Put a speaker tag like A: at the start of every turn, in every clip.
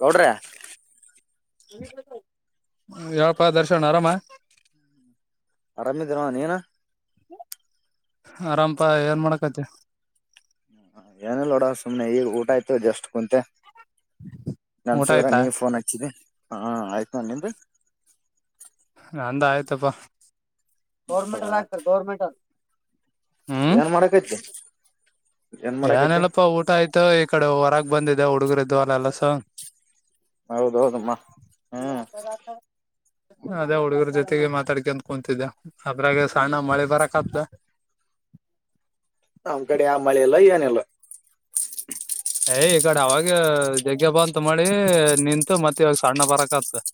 A: ಗೌಡ್ರೆ [unintelligible]
B: ಹೇಳಪ್ಪಾ ದರ್ಶನ್ ಆರಾಮ?
A: ಆರಾಮಿದ್ದೀನೋಡ್ ನೀನು?
B: ಆರಾಮ್ಪಾ ಏನ್ ಮಾಡಕತಿ?
A: ಏನಿಲ್ಲ ನೋಡ ಸುಮ್ನೆ ಈಗ ಊಟ ಆಯ್ತು ಜಸ್ಟ್ ಕುಂತೆ.
B: ಊಟ
A: [unintelligible]
B: ಆಯ್ತಾ
A: ನೀ ಫೋನ್ ಹಚ್ಚಿದ್ದಿ ಹಾ ಆಯ್ತು ನಿಂದು?
B: ನಂದ್ ಆಯ್ತಪ್ಪಾ ಗೌರ್ಮೆಂಟೊರ್ ಆಗ್ತಾರೆ ಗೌರ್ಮೆಂಟು.
A: ಏನ್ ಮಾಡಕೈತಿ? ಏನ್ ಮಾಡಕೈತಿ
B: ಏನಿಲ್ಲಪ್ಪಾ ಊಟ ಆಯ್ತ ಈ ಕಡೆ ಹೊರಗ್ ಬಂದಿದ್ದೆ ಹುಡುಗರಿದ್ವಲ್ ಅಲ್ಲಸು.
A: ಹೌದೌದಮ್ಮ ಹ್ಮ್
B: ಅದೇ ಹುಡುಗ್ರ್ ಜೊತ್ ತಿಗೆ ಮಾತಾಡ್ಕೊಂನ್ ಕೂತಿದ್ದೆ ಅದ್ರಾಗ ಸಣ್ಣ ಮಳೆ ಬರಕ ಆತ್ದೆ.
A: ನಮ್ಕಡೆ ಆ ಮಳೆಲ್ಲ ಏನಿಲ್ಲ.
B: ಏಯ್ ಈ ಕಡೆ ಅವಾಗ ದೆಗ್ಗೆ ಬಂತ್ ಮಳೆ ನಿಂತು ಮತ್ತೆ ಇವಾಗ ಸಣ್ಣ ಬರಕತ್ತಾದ. [inaudible]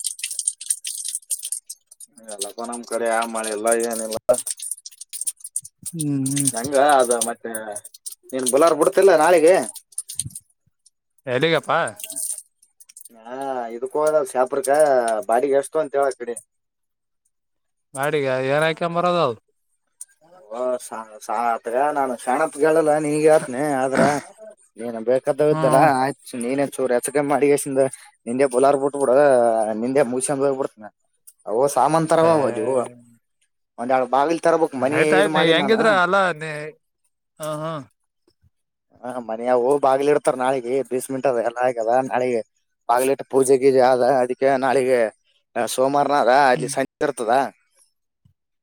A: ಎಲ್ಲಪ ನಮ್ಮ್ ಕಡೆ ಆ ಮಾಳಿಲ್ಲ ಏನಿಲ್ಲ.
B: ಹ್ಮ್ ಹ್ಮ್
A: ನಂಗ ಅದ ಮತ್ತೆ ನೀನ್ ಬಲಾರ ಬಿಡ್ತಿಲ್ಲ ನಾಳಿಗೆ.
B: ಎಲ್ಲಗಪ್ಪಾ?
A: ಹಾ ಇದಕ್ಕ ಹೋದಲ್ ಶಾಂಪುರ್ಕೆ ಬಾಡಿಗೆ ಎಷ್ಟುಂತ ಅಂತೇಳಾಕಡೆ.
B: ಬಾಡಿಗೆ ಏನ್ಯ್ಕಂಬರದು ಅವ್.
A: ಓ ಸಾ ಅತ್ಗ ನಾನು ಕ್ಷಣತ್ ಹೇಳಲ್ಲ ನೀಗ್ಯ ನೇ ಆದ್ರ ನೀನು ಬೇಕಾದುದ್ದಲ್ಲ
B: ಹ್ಮ್
A: ಆಯ್ತು ನೀನ್ ಚೂರು ಹೆಚ್ಚ್ಕ ಮಡಿಗಸಿಂದ ನಿಂದೆ ಪೋಲಾರ ಬಿಟ್ಟ ಬಿಡು ನಿಂದೆ ಮುಗಿಸೋಗ ಬಿಡ್ತನ. ಅವು ಸಾಮಾನ್ ತರ ಅದು
B: ಏ
A: ಒಂದ್ ಬಾವಿಲ್ ತರ ಬಕ್
B: ಆಯ್ತಾಯ್ತು ನೀ ಹೆಂಗಿದ್ರ ಅಲ್ಲಾ ನೀ ಹ ಹ್ಮ
A: ಹ ಮನೆಯವೂ ಬಾಗಿಲ್ ಇಡ್ತಾರ ನಾಳಿಗೆ ಬೇಸ್ಮೆಂಟ್ ಅದ ಎಲ್ಲ ಆಗ್ಯದ ನಾಳಿಗೆ ಬಾಗ್ಲಿಟ್ಟ ಪೂಜೆೆಗೀಜಿ ಆದ ಅದಕ್ಕೆ ನಾಳಿಗೆ ಸೋಮವಾರನಾಗ ಅಲ್ಲಿ ಸಂಜೆ ಇರ್ತದ.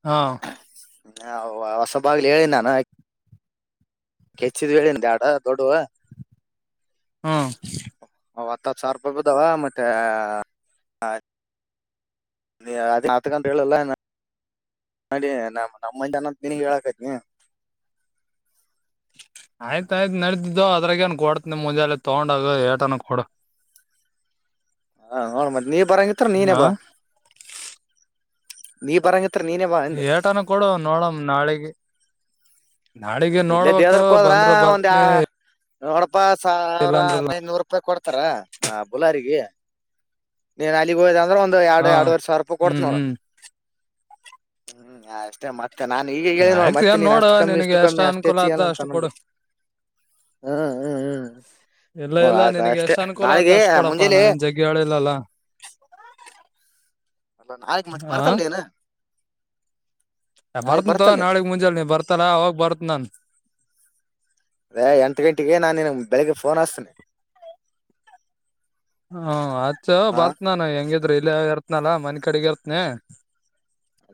B: ಹಾ
A: ಹ ಹೊಸಬಾಗ್ಲಿ ಹೇಳಿನ್ ನಾನು. ಕೆಚ್ಚಿದ್ ಹೇಳಿನ್ದಾಡ ದೊಡ್ಡುವ.
B: ಹ್ಮ
A: ಹ ಹತ್ತತ್ತ್ ಸಾವ್ರೂಪಾಯ್ ಬಿದ್ದವಾ ಮತ್ತೆ ಹ ನೀ ಹತ್ತ ಗಂಟಲ್ಲ [unintelligible] ನಮ್ಮಂದ್ದ ನಾನ್ ನೀನಿಗ್ ಹೇಳಕೈತ್ತೆನ್.
B: ಆಯ್ತಾಯ್ತು ನಡತಿದ್ದು ಅದ್ರಾಗೇನ್ ಕೊಡ್ತ್ ನಿಮ್ ಮುಂಜೆೆಲ್ಲಿ ತಗೊಂಡಾಗ ಏಟನ ಕೊಡು.
A: ಹ ನೋಡ್ ಮತ್ ನೀ ಬರಂಗಿತ್ರ
B: ಹ
A: ನೀನೇ ಬಾ ನೀ ಬರಂಗ್
B: ಏಟಾನ ಕೊಡು ನೋಡಮ್ ನಾಳಿಗೆ. ನಾಳಿಗೆ
A: ಇಲ್ಲೇ
B: ನೋಡ್ಬೇಕು
A: ದೇದ್ರಕ್ ಹೋದ್ರ
B: ಬಂದ್ರ
A: ಒಂದ
B: ಬರ್ತನಿ
A: ಯ ನೋಡಪಾ ಸಾವಿರ
B: ಇಲ್ಲಾಂದ್ರಲ್ಲ
A: ಹದೖದ್ನೂರುಪಾಯಿ ಕೊಡ್ತಾರ ಆ ಬುಲಾರಿಗೆ. ನೀನ್ ಅಲ್ಲಿಗ್ ಹೋದ ಅಂದ್ರೆ ಒಂದು ಎರಡು
B: ಹಾ
A: ಎರಡುವರೆ ಸಾವಿರ ರೂಪಾಯಿ ಕೊಡ್ತ
B: ಹ್ಮ್
A: ನೋಡ್ರ.
B: ಹ್ಮ್
A: ಹ್ಮ್ ಅಷ್ಟೇ ಮತ್ತ್. ಮತ್ತೆ ನಾನ್ ಈಗ ಹೇಳಿ ನೋಡ್
B: ಆಯ್ತು
A: ಮತ್ತೆ
B: ಏನ್
A: ನೀನ್
B: ನೋಡು
A: ಅಷ್ಟು ಕಮ್ಮಿ
B: ನಿನಗೆ
A: ಇಷ್ಟು
B: ಎಷ್ಟ
A: ಕಮ್ಮಿ ಅಷ್ಟೆ
B: ಅನುಕೂಲ ಆದ
A: ಚ್ಚಲ್ಲ ಅಂತ
B: ಅಷ್ಟು ಕೊಡು
A: ಅನ್ನೊದ್ದು. ಹ್ಮ್ ಹ್ಮ್ ಹ್ಮ್
B: ಇಲ್ಲ
A: ಹ
B: ಇಲ್ಲ
A: ಆಯ್ತಾ
B: ನಿನಗೆ
A: ಅಷ್ಟೇ
B: ಎಷ್ಟ್ ಅನುಕೂಲ ಆದ
A: ನಾಳಿಗೆ
B: ಅಷ್ಟ್ ಕೊಡಪ್ಪಾ
A: ಮುಂಜಲಿ.
B: ನಾನೇನ್ ಜಗ್ಗಿ ಹೇಳಿಲ್ಲಲ್ಲ
A: ಅಲ್ಲಾ ಮತ್ತೆ
B: ಆ
A: ಬರ್ತಲ್ಲೇನು.
B: ನಾ ಬರ್ತಿನ್ ತಗೊ ನಾಳಗ್ ಮುಂಜಲ್ ನೀ ಬರ್ತಾರ ಹೋಗ್ ಬರ್ತ್ ನಾನ್.
A: ಅದೇ ಎಂಟ್ ಗಂಟೆಗೆ ನಾನ್ ನಿನ್ಗ್ ಬೆಳಗ್ಗೆ ಫೋನ್ ಹಸ್ತೇನೆ.
B: ಹ್ಮ ಅತ್ ಬರ್ತ್ನಾನು ಹೆಂಗಿದ್ರು ಇಲ್ಲ ಇರ್ತ್ನಲ್ಲಾ ಮನ್ ಕಡೆಗ ಇರ್ತನ.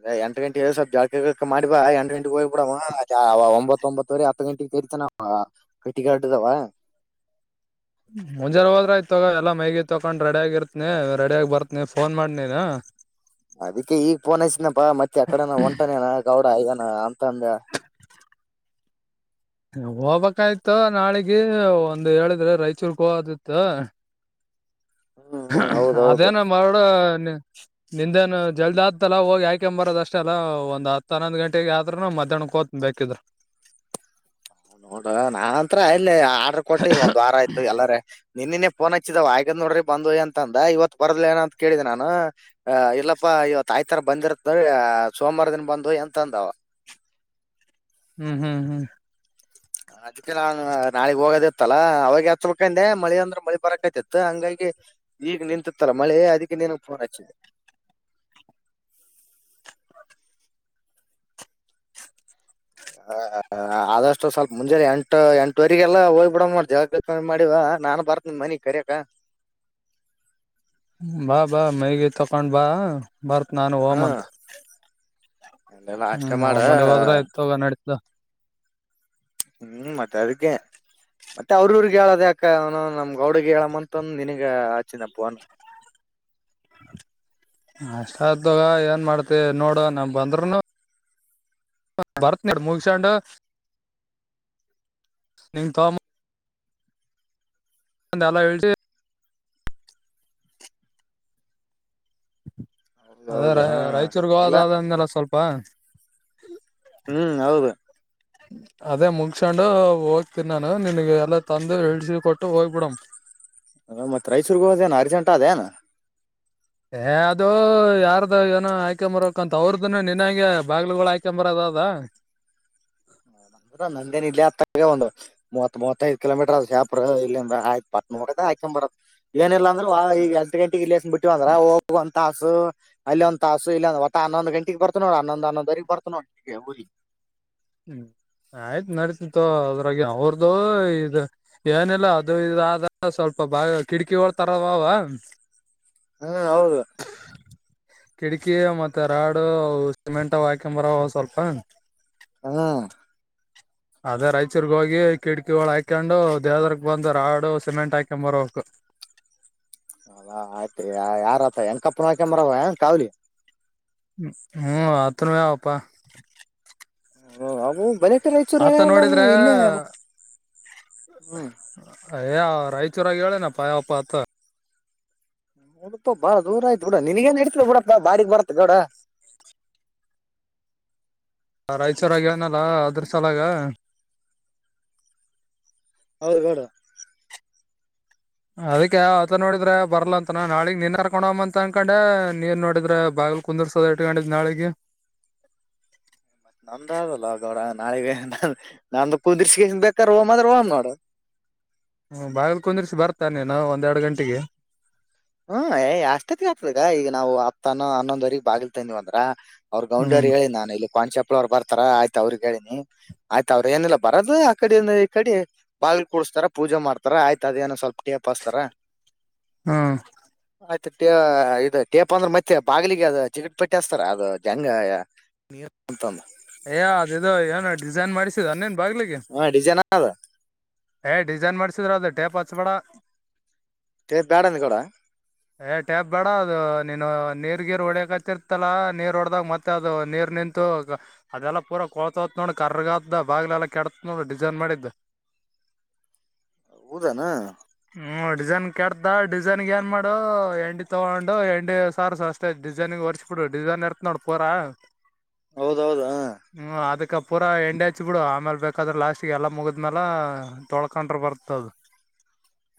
A: ಏ ಎಂಟ ಗಂಟ ಸ್ವಲ್ಪ ಜಳಕ ಗೀಳ್ಕ ಮಾಡಿ ಬಾ ಎಂಟ ಗಂಟೆಗೆ ಹೋಗ್ಬಿಬಡವಾ ಒಂಬತ್ತೊಂಬತ್ತುವರೆ ಹತ್ತು ಗಂಟೆಗೆ ರ್ತ ನ ಕಟ್ಟಿಗಾಡ್ದಾವ [unintelligible]
B: ಮುಂಜಾನ್ ಹೋದ್ರ ಆಯ್ತಗೊ ಎಲ್ಲ ಮೈಗಿತ್ತು ತಕೊಂಡ್ ರೆಡಿಯಾಗಿರ್ತನಿ ರೆಡಿಯಾಗಿ ಬರ್ತನಿ ಫೋನ್ ಮಾಡ್ ನೀನು.
A: ಅದಿಕ್ಕೆ ಈಗ ಪೋನಸನಪ್ಪಾ ಮತ್ತೆ ಅಕಡನ ಒಂಟಾನೇನ ಗೌಡ ಐನ ಹಾ ಅಂತ ಅಂದ
B: ಹೋಗ್ಬೇಕಾಯಯ್ತ ನಾಳಗ ಒಂದ್ ಹೇಳಿದ್ರೆ ರಾಯಚೂರ್ಗೆ ಹೋಗದತ್
A: ಹ್ಮ್ ಹ್ಮ್ ಹೌದೌದು
B: ಅದೇನ ಮರಡ ನಿಂದೇನು ಜಲ್ದ್ ಆತಲ್ಲಾ ಹೋಗಿ ಆಯ್ಕೊ ಬರೋದ ಅಷ್ಟ ಅಲ್ಲ ಒಂದ ಹತ್ ಹನ್ನೊ ಗಂಟೆಗೆ ಆದರು ಮಾತಣ ಕೋತ ಬೇಕಿದ್ರ
A: ಹ ನೋಡುವ ನಾನ್ತ್ರ ಇಲ್ಲಿ ಆರ್ಡ್ರ ಕೊಟ್ಟ ಈಗ ಒಂದ್ ವಾರ ಆಯ್ತು ಎಲ್ಲಾರ ನಿನ್ನನ ಫೋನ್ ಹಚ್ಚಿದಾವ ಆಗದ್ ನೋಡ್ರಿ ಬಂದು ಅಂತ ಅಂದ ಇವತ್ತು ಬರದ್ಲ ನ ಅಂತ ಕೇಳಿದೆ ನಾನು ಅ ಇಲ್ಲಪ್ಪಾ ಇವತ್ತ ಆಯಿತರ ಬಂದಿರತ್ತ ಸೋಮವಾರ ದಿನ ಬಂದು ಎಂತಂದವ
B: ಹ್ಮ್ ಹ್ಮ್ ಹ್ಮ್
A: ಅದಕ್ಕೆ ನಾನ್ ನಾಳಗ್ ಹೋಗೋದ ಇತ್ತಲ್ಲಾ ಅವಾಗ ಚಲ್ಕಂದೆ ಮಳಿ ಅಂದ್ರೆ ಮಳಿ ಬರಕತಿತ್ ಹಂಗಾಗಿ ಈಗ ನಿಂತತ್ತಲ್ಲಾ ಮಳೆ ಅದಕ್ಕೆ ನನ ಫೋನ್ ಹಚ್ಚಿದೆ ಹ ಹಾ ಹ ಆದಷ್ಟು ಸ್ವಲ್ಪ ಮುಂಜೆ ಎಂಟು ಎಂಟವರೆರಿಗೆಲ್ಲ ಹೋಗ್ ಬಿಡ್ ಮಾಡ ಜಾಗ ಮಾಡಿವ ನಾನ್ ಬರ್ತನ ಮನೆಗ್ ಕರ್ಯಕ
B: [inaudible] ಬಾ ಬಾ ಮೈಗ ತಕೊಂಡ್ ಬಾ ಬರ್ತ್ ನಾನು
A: ಹ್ಮ್
B: ಓಮತ್
A: ಅಲ್ಲೆಲ್ಲ ಅಷ್ಟೇ
B: ಹ್ಮ್
A: ಮಾಡ
B: ಒಮ್ಮನೆ ಹೋದ್ರ ಆಯತೋಗ ನಡತದ
A: ಹ್ಮ್ ಮತ ಅದಕ್ಕೇ ಮತ್ತೆ ಅವ್ರರ್ಗ್ ಹೇಳದ ಯಾಕ ಅವನು ನಮ್ ಗೌಡಗ್ ಹೇಳಮ್ಮಂತ ಒಂದ ನಿನಗ ಆಚಿನಪ್ಪ ಫೋನ್
B: [inaudible] ಅಷ್ಟ ಆಯ್ತಾಗ ಏನ್ ಮಾಡ್ತಿ ನೋಡು ನಮ ಬಂದ್ರೂನು ಭರತ್ನಾ ಮುಗಸಂಡ ನಿಂತ ಅಂದ ಎಲ್ಲ ಹೇಳ್ತಿ ಅದೇ
A: ಹೌದೌದು
B: ರ
A: ಹ
B: ರಾಯಚೂರ್ಗ
A: ಇಲ್ಲ
B: ಹೋದಂದಲ್ಲ ಸ್ವಲ್ಪ
A: ಹ್ಮ್ ಹೌದು
B: ಅದೇ ಮುಗ್ಸೊಂಡು ಹೋಗ್ತನಿ ನಾನು ನಿನ್ಗೆ ಎಲ್ಲಾ ತಂದು ಎಳ್ಸ ಕೊಟ್ಟು ಹೋಗ್ಬಿಡಮ
A: ಮತ್ ರೈಸೂರ್ಗ ಹೋದೇನ ಅರ್ಜೆಂಟ ಅದೇನ
B: ಏ ಅದು ಯಾರ್ದು ಏನೋ ಆಯ್ಕೊಂಬರಕ್ಂತ ಅವ್ರದ್ದನ ನಿನ್ಂಗೆ ಬಾಗ್ಲುಗಳು ಹಯ್ಕೊಂಬರದ ಅದಾ
A: ಹ್ಮ ನಂದ್ರ ನಂಗೇನ್ ಇಲ್ಲಿ ಆತ್ತ ಒಂದು ಮೂವತ್ತ್ವತ್ತೈಐದು ಕಿಲೋಮೀಟರ್ ಅ ಶಪ್ರ ಇಂದ ಆಯ್ತ್ ಪತ್ ಹಾಕೊ ಬರೋದು ಏನಿಲ್ಲ ಅಂದ್ರೆ ಈ ಹತ್ತು ಗಂಟೆಗೆ ಇಲ್ಲಿ ಬಿಟ್ಟು ಅಂದ್ರ ಹೋಗುವ ಅಂತ ಅಲ್ಲಿದ ತಾಸು ಇಲ್ಲಿದು ಒತ್ತ ಹನ್ನೊಂದು ಗಂಟೆಗೆಗ್ ಬತ ನೋಡ ಹನ್ನೊಂದು ಹನ್ನೊಂದವರಿಗೆಗ್ ಬರ್ತ ನೋಡ್ ಊ
B: ಹ್ಮ್ ಆಯ್ತು ನಡತಿತ್ತು ಅದ್ರಾಗ ಅವ್ರದುು ಇ ಏನಿಲ್ಲ ಅದು ಇದ ಆದ ಸ್ವಲ್ಪ ಬ ಕಿಟಕಿ ಹೊಳ್ತಾರವವ
A: ಹ್ಮ ಹೌದು
B: ಕಿಟಕಿ ಮತ್ತೆ ರಾಡು ಸಿಮೆಂಟ್ ವಾಕಂಬರ ಸ್ವಲ್ಪ
A: ಹಾ
B: ಅದೇ ರೈಚೂರ್ಗ ಹೋಗಿ ಕಿಟಕಿಳ ಹಾಕೊಂಡು ದೇವದ್ರ ಬಂದ ರಾಡು ಸಿಮೆಂಟ್ ಹಾಕೊಂಡ್ ಬರಕ್ [inaudible]
A: ನ ಕಪ್ಪನಕ ಮರ ಕಾವಲಿ
B: ಹ್ಮ್ ಅತ್ರನ ಯಪ್ಪಾ
A: ಅ ಅವು ಬರ ರಾಯಚೂರುಲ್ಲ
B: ನೋಡಿದ್ರೆ
A: ಇಲ್ಲೇ ಹ್ಮ
B: ಯ ರಾಯಚೂರಾಗಿ ಹೇಳೇನ ಪಾಯಪ್ಪ ಅತ್ತ
A: ನಡಪ ಬಾಳ ದೂರ ಆಯ್ತು ಬಿಡ ನನ್ಗ ಏನ್ ನೆಡತಿ ಬಿಡಪ್ಪ ಬಾಡಿಗಿ ಬರ್ತ ಗೌಡ
B: ಹ ರಾಯಚೂರಗ ಏನಲ್ಲ ಅದ್ರ ಸಲಾಗ
A: [unintelligible]
B: ಅದಕ್ಕೆ ಆತ ನೋಡಿದ್ರೆ ಬರ್ಲಾ ಅಂತನ ನಾಳಿಗ್ ನೀನ್ ಕರ್ಕೊಂಡ ಅಂತ ಅನ್ಕೊಂಡೆ ನೀನ್ ನೋಡಿದ್ರ ಬ ಆ ಕುಂದರ್ಸೋದ ಇಟ್ಕೊಂಡಿದ್ದ್ ನಾಳಿಗಿ.
A: ನಂದ ಅಲ್ಲ ಗೋಡ ನಾಳಿಗೆ ನಂದ್ ಕುಂದ್ರಿಸಿ ಬೇಕಾದ ಹೋಮ್ ಆದ್ರೆ ಹೋಮ್ ನೋಡ್
B: ಹ್ಮ ಬಾಗಿಲ್ ಕುಂದ್ರಿಸಿ ಬರ್ತಾನೆ ನಾ ಒಂದೆರಡು ಗಂಟೆಗೆ
A: ಹ್ಮ ಎಷ್ಟತಿ ಆಗ್ತದಗ ಈಗ ನಾವು ಹತ್ತೊನು ಹನ್ನೊಂದವ್ರಗಿ ಬಾಗಿಲ್ ತಂದಿವವಂದ್ರ ಅವ್ರ್ ಗೌಂಡ್ ಅವರು
B: ಹ್ಮ್
A: ಹೇಳಿ ನಾನು ಇಲ್ಲಿ ಕಾಂಚೆಪ್ಳ ಅವ್ರು ಬರ್ತಾರ ಆಯ್ತ ಅವ್ರಿಗಿ ಹೇಳಿ ಹ್ಮ್ ಆಯ್ತ ಅವ್ರರು ಏನಿಲ್ಲ ಬರೋದು ಆ ಕಡಿ ಇಂದ ಈ ಕಡಿ ಬಾ ಪೋರ್ಟ್ಸ ಪೂಜೆ ಮಾಡ್ತಾರ ಆಯ್ತ ಅದೇನ ಸ್ವಲ್ಪ ಟಯಾಪಾಸ್ತರ
B: ಹಾ
A: ಆಯ್ತುಟೇ ಇದು ಟೇಪ್ ಅಂದ್ರೆ ಮತ್ತೆ ಬಾಗಲಿಗೆ ಅದು ಚಿಕ್ಕಟ್ ಪಟ್ಟಿ ಹಸ್ತಾರ ಅದು ಜಂಗ ನೀ ನಂತ
B: ಏ ಅದಿದು ಏನು ಡಿಸೈನ್ ಮಾಡಿದ
A: ಹಾ ಡಿಸೈನ್ ಆದ
B: ಏ್ ಡಿಸೈನ್ ಮಾಡ್ಸಿದ್ರ ಅದ ಟೇಪ್ ಹಚ್ಬೇಡ
A: ಟೇಪ್ ಬ್ಯಾಡ ಅಂದ ಗೌಡ
B: ಏ್ ಟ್ಯಾಪ್ ಬೇಡ ಅದು ನೀನು ನೀರ್ ಗಿರ್ ಹೊಡಿಯಕ್ತ್ತರ್ತಲ್ಲ ನೀರ್ ಒಡ್ದಾಗ ಮತ್ತೆ ಅದು ನೀರ್ ನಂತ [unintelligible] ಅದೆಲ್ಲ ಪೂರ ಕೋಳ್ತವತ್ ನೋಡ ಕರ್ಗದ ಬಾಗ್ಲೆ ಎಲ್ಲಾ ಕೆಡತ ನೋಡ ಡಿಸೈನ್ ಮಾಡಿದ್ದ [inaudible]
A: ಹೌದ ಏನ
B: ಹ್ಮ ಡಿಸೈನ್ ಕೆಡತ ಡಿಸೈನ್ ಏನ್ ಮಾಡು ಎಂಡಿ ತಗೊಂಡು ಎಂಡಿ ಸಾರಸ ಅಷ್ಟೇ ಡಿಸೈನ್ ತೋರ್ರಿಸಬಿಡು ಡಿಸೈನ್ ಇರ್ತ್ ನೋಡ್ ಪೋರಾ
A: ಹೌದೌದು ಹ
B: ಹ್ಮ ಅದಕ ಪೂರಾ ಎಂಡೆ ಹಚ್ಚಿ ಬೀಡು ಆಮೇಲೆ ಬೇಕಾದ್ರೆ ಲಾಸ್ಟ್ಗೆ ಎಲ್ಲ ಮುಗಿದ್ಮೇಲ ತೊಳ್ಕೊಂಡ್ರ ಬರ್ತದ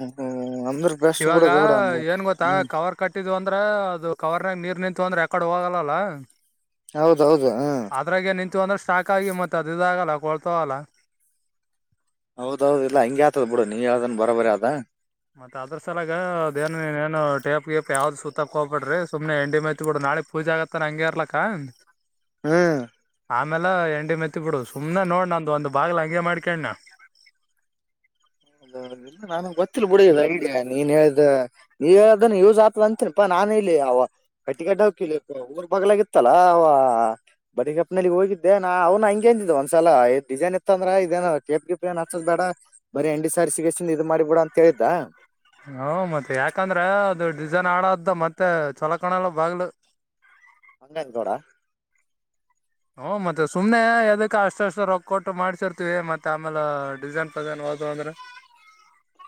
A: ಹ್ಮ್ ಅಂದ್ರ ಬೆಸ್ಟ್
B: ಇವಾಗ
A: ಬಿಡು ಗೌಡ
B: ಏನ್ ಗೊತ್ತಾ
A: ಹ್ಮ್
B: ಕವರ್ ಕಟ್ಟಿದು ಅಂತ ಅಂದ್ರ ಅದು ಕವರ್ನಗ ನೀರ್ ನಿಂತು ಅಂದ್ರೆ ಯಕಡೆ ಹೋಗಲ್ಲಲ್ಲ
A: ಹೌದೌದು ಹ್ಮ್
B: ಅದ್ರಾಗೆ ನಿಂತು ಅಂದ್ರೆ ಸ್ಟಾಕ್ ಆಗಿ ಮತ್ತತ್ ಅದ ಇದ ಆಗಲ್ಲ ಕೊಳ್ತ ಹೋಗಲ್ಲ
A: ಹೌದೌದ್ ಇಲ್ಲ ಹಂಗೆ ಆತದ್ ಬಿಡ ನೀ ಹೇಳ್ದನ್ ಬರೋ ಬರಿ ಅದ
B: ಮತ್ತ ಅದ್ರ ಸಲಾಗ ಅದ ಏನ್ಏನು ಟೇಪ್ ಗೇಪ್ ಯಾವ್ದ್ ಸುತ್ತತಕ್ ಹ್ಬ ಬಿಡ್ರಿ ಸುಮ್ನೆ ಎಂಡಿ ಮೆತ್ಬ ಬಿಡು ನಾಳೆ ಪೂಜೆ ಆಗೊತ್ತನ ಹಂಗೆ ಇರ್ಲಕ್ಕ
A: ಹ್ಮ್
B: ಆಮೇಲೆ ಎಂಡಿ ಮೆತ್ತಿ ಬಿಡು ಸುಮ್ನೆ ನೋಡ್ ನಂದು ಒಂದ್ ಬಾಗಲ ಹಂಗೆ ಮಾಡ್ಕೊಣ್ಣ ನಾ [inaudible]
A: ಹೌದ ಇ ನಾನ ಗೊತ್ತಿಲ್ ಬಿಡಿಂಗೆ ನೀನ್ ಹೇಳ್ದ ನೀವ ಹೇಳದನ್ನು ಯೂಸ್ ಆಗ್ತದ ಅಂತೀನಾ ನಾ ನಾನ ಇಲ್ಲಿ ಅವ ಕಟ್ಟಿಗೆ ಅಡ್ಡ ಹಕ ಊರ್ ಬಗ್ಲಾಗಿತ್ತಲ್ಲ ಅವ ಬಡಿ ಕಪ್ನಲ್ಲಿ ಹೋಗಿದ್ದೆ ನ ಅವ್ನ ಹಂಗಗೆೇಂದಿದ್ದ ಒಂದ್ಲ ಸಲಾ ಇತ್ತ ಅಂದ್ರೆ ಇದೇನ ಕೇಪ್ ಗಿಪ್ ಏ ಹಚ್ಚ ಬೇಡ ಬರಿ ಎಂಡಿ ಸಾರಿಸಿ ಸಿಗಸ ಇದು ಮಾಡಿಬ ಬಿಡ ಅಂತ ಹೇಳಿದ್ದ
B: ಹ ಮತ್ತ ಯಾಕಂದ್ರೆ ಅದು ಡಿಸೈನ್ ಆಳ ಮತ್ತೆ ಚಲೊ ಕಾಣಲ್ಲ ಬಾಗ್ಲು [unintelligible] ಹ [inaudible]
A: ಅಂಗಂ ರಡ [unintelligible]
B: ಹ್ ಮತ್ತೆ ಸುಮನೆ ಅದಕ್ಕೆ ಅಷ್ಟ ಅಷ್ಟು ರೊಕ್ಕ ಕೊಟ್ಟು ಮಾಡ್ಸಿರ್ತತಿವಿ ಮತ್ತೆ ಆಮೇಲೆ ಡಿಸೈನ್ ಪಸೈನ್ ಹ ರ [unintelligible]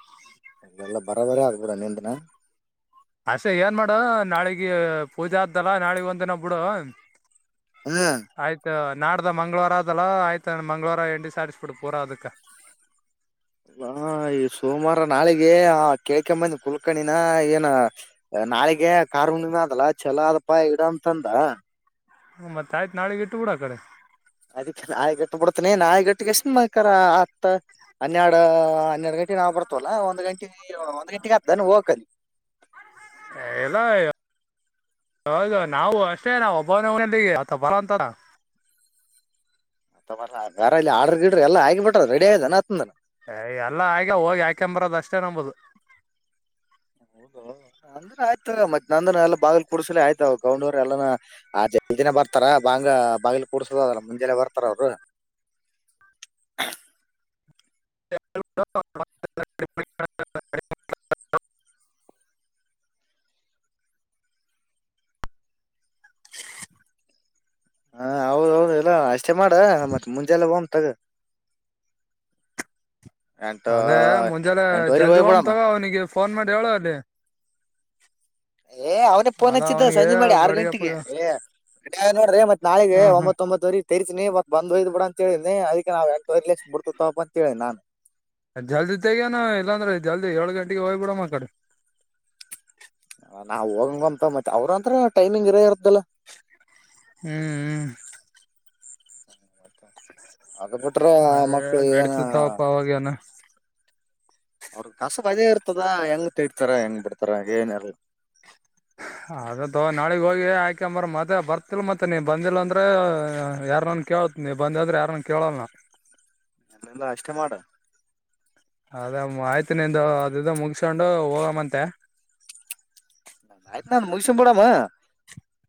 A: ಅ ಎಲ್ಲ ಬರ ಬರ ಆದ ಬೀಡು ನಿಂದನು
B: ಅಸೆ ಏನ್ ಮಾಡು ನಾಳಿಗ ಪೂಜೆ ಆದ್ದಲ್ಲ ನಾಳಿಗ್ ಒಂದ ದಿನ ಬಿಡು
A: ಹ್ಮ್
B: ಆಯ್ತ ನಾಡ್ದ ಮಂಗಳವಾರ ಅದಲ್ಲ ಆಯ್ತ ಮಂಗಳವಾರ ಎಂಡಿ ಸಾರಿಸ್ಬಿಡ್ ಪೂರಾ ಅದಕ್ಕ
A: ಹ ಈ ಸೋಮಾರ ನಾಳಿಗೆ ಆ ಕೆಳ್ಕೆಂಬಂದಿ ಕುಲ್ಕಣಿನ ಏನ ನಾಳಿಗೆ ಕಾರಾ ಹುಣ್ಣಿಮೆ ಅದಲ ಚಲೋದಪ್ಪ ಇಡು ಅಂತಂದ
B: ಹ್ಮ ಮತ್ತ ಆಯ್ತ್ ನಾಳಿಗೆ ಇಟ್ಟುಬೀಡು ಆಕಡೆ.
A: ಅದಕ್ಕೆ ನಾಳಿಗಿಟ್ಟುಬಿಡ್ತನಿ ನಾಳಿ ಗಿಟ್ಟಿಗೇಶಿಂದ ಬೇಕಾರ ಹತ್ತ ಹನ್ನೆರಡು ಹನ್ನೆರಡು ಗಂಟೆ [unintelligible] ಬರ್ತವಲ್ಲ ಒಂದ ಗಂಟೆ ಒಂದ ಗಂಟೆಗೆ ಅಕ್ಕೆತನ ಹೋಗಾಕ್ ಅಲ್ಲಿ
B: ಎಲ್ಲೋ. [unintelligible] ಹೌದು ನಾವು ಅಷ್ಟೇ ನಾ ಒಬ್ಬನವನೀ ಅಲ್ಲಿಗೆ ಅಥ ಬರಾತಾರ. [inaudible]
A: [unintelligible] ಆರ್ಡ್ರ ಗಿಡ್ರ ಎಲ್ಲ ಆಗಿ ಬಿಟ್ಟದ ರೆಡಿಯದಾನಾ ಆತ್ತಂದನ.
B: ಏ ಎಲ್ಲ ಆಗ್ಯವೋ ಹೋಗಿ ಹಾಕೆಂಡ ಬರೋದ ಅಷ್ಟ ನಮ್ದ.
A: ಅಂದ್ರೆ ಆಯ್ತ ತೊಗೊ ಮತ್ ನಂದರ ಎಲ್ಲ ಬಾಗಲು ಕೂಡ್ಸಲಿ ಆಯ್ತ ಕೌಡವರ್ ಎಲ್ಲರ [unintelligible] ಬರ್ತಾರ ಹಂಗ ಬಾಗಿಲು ಕೂಡ್ಸದದಲ್ಲ ಮುಂಜೆನೆ ಬರ್ತಾರ ಅವ್ರು.
B: [inaudible] [unintelligible]
A: ಹಾ ಹೌದೌದು ಎಲ್ಲ ಅಷ್ಟೇ ಮಾಡ ಮತ್ತ ಮುಂಜೆಲ್ಲೆ ಹೋಗುಮ್. [unintelligible]
B: ಅದೇ ಮುಂಜಾನೆ ಜಲ್ದಿ ಹೋಗೊಮ್ಮ
A: ಹೋಗ್ಬಿಡಮ್ಮ
B: ತಗೋ ಅವನಿಗೆ ಫೋನ್ ಮಾಡಿ ಹೇಳು ಅಲ್ಲಿ.
A: ಏ ಅವ್ನೇ ಪೋನ್
B: ಅಲ್ಲ
A: ಹಚ್ಚಿದ್ದ
B: ಅವನಿಗೆ
A: ಸಂಜೆ ಮಾಡಿ ಆರ್
B: ಬಡಿಗಪ್ಪ
A: ಗಂಟೆಗೆ ಮನ್ಯಾಗ ನೋಡ್ರಿ ಮತ ನಾಳೆಗೆ
B: ಹಾ ಹಾ
A: ಒಂಬತ್ತೊಂಬತ್ತುವರಿ ತರಿಸಿನೀ ಮತ್ತ ಬಂದ ಒಯ್ದುಬಿಡ ಅಂತ ಹೇಳಿನೀ ಅದಕ್ಕೆ ನಾವು ಎಂಟುವರೆ ಲಕ್ಷ ಕೊಡ್ತೀವಿ ತೊಗೊಂಡ ಬಾ ಅಂತ ಹೇಳಿನಿ ನಾನ.
B: ಜಲ್ದಿ ತೆಗೆಯುನು ಇಲ್ಲಾಂದ್ರೆ ಜಲ್ದಿ ಏಳ ಗಂಟೆಗೆ ಹೋಗ್ಬಿಡಮ ಆಕಡೆ
A: ನಾವ್ ಹೋಗಂಗಂತ ಮತ್ತೆ ಅವ್ರ ಹತ್ರ ಟೈಮಿಂಗ್ ಇರ ಇರತ್ತೆಅಲಾ.
B: ಹ್ಮ್ ಹ್ಮ್
A: [unintelligible] ಬಿಟ್ರೆ ಆ
B: ಅದೇ
A: ಮಕ್ಳು ಏನ
B: ನಡೀತದ ತಗೋಪ್ಪ ಅವಾಗೇನ
A: ಅವ್ರ ಕಸದ ಅದೇ ಇರ್ತದ ಹೆಂಗ ತೆಗೀತಾರ ಹೆಂಗ್ ಬಿಡ್ತಾರ ಏನ್ಲ್
B: [unintelligible] ಅದ ತೊಗೊ ನಾಳಿಗ್ ಹೋಗಿ ಆಯಕೊಂಡ ಬರುನು ಮತ್ತೆ ಬರ್ತಿಲ್ ಮತ್ತೆ ನೀನ್ ಬಂದಿಲ್ಲ ಅಂದ್ರೆ ಯಾರ್ನನ್ ಕೇಳ ತ್ ನೀ ಬಂದಿ ಅಂದ್ರ ಯಾರ್ನ ಕೇಳಲ್ಲ ನಾ.
A: ಇಲ್ಲ ಅಷ್ಟೇ ಮಾಡ.
B: ಅದೇ ಆಯ್ತು ನಿಂದು ಅದ ಇದು ಮುಗಸಕೊಂಡು ಹೋಗಮ್ಮಂತೆ.
A: ಆಯ್ತ್ ನಾನು ಮುಗಸನ್ ಬಿಡಮ್ಮ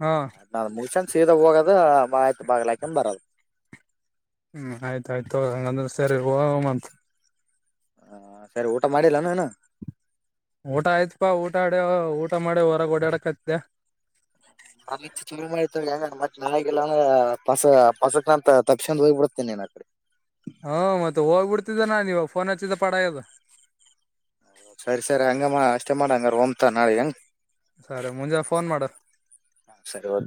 B: ಹಾ
A: ಆಯ್ ಮುಗಿಸಿಕೊಂಡ ಸೀದಾ ಹೋಗದ. ಆಯ್ತು ಬಾಗಲ ಹಾಕೊಂಡ ಬರದು.
B: ಹ್ಮ್ ಆಯ್ತಾಯ್ತು ತೊಗೊ ಹಂಗಂದ್ರ ಸೇರಿ ಹೋಗೊಮ್ಮ ಅಂತ.
A: ಹ ಸರಿ ಊಟ ಮಾಡಿಲ್ಲಾನ ಇನ್ನ?
B: ಊಟ ಆಯ್ತ್ಪಾ ಊಟ ಆಡ ಊಟ ಮಾಡಿ ಹೊರಗ ಓಡ್ಯಾಡಕತ್ತಿದ್ದೆ.
A: ನನಗಿಲ್ಲ ಅಂದ್ರ ಪಸ ಪಸಕ್ನಂತ ತಪ್ಸಂದ ಹೋಗ್ ಬಿಡ್ತಿನೀ ನಾನ್
B: ಫೋನ್ಚ್ಚದೆ ಪಡಾಯದ.
A: ಸರಿ ಸರಿ ಹಂಗ ಮಾಡ್ ಅಷ್ಟೇ ಮಾಡಂಗಾರ ಹೊಮ್ತ ನಾಳೆಗ
B: ಸರಿ ಮುಂಜಾಲೇ ಫೋನ್ ಮಾಡ್.
A: ಸರಿ ಓಕೆ.